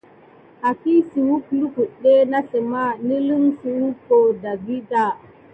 Akisuwək lukuɗɗe na sləma nilin suduho dagida.